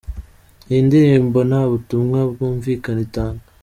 Iyi ndirimbo nta butumwa bwumvikana itanga.